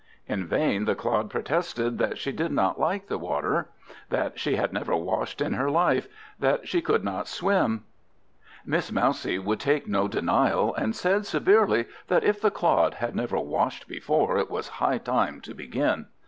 In vain the Clod protested that she did not like water; that she had never washed in her life; that she could not swim: Miss Mousie would take no denial, and said severely, that if the Clod had never washed before, it was high time to begin.